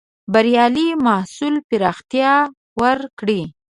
بریالي محصول پراختيا ورکړې.